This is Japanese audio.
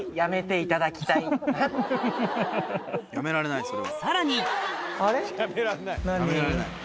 やめられないそれは。